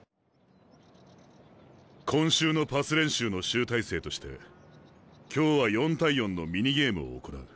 今週のパス練習の集大成として今日は４対４のミニゲームを行う。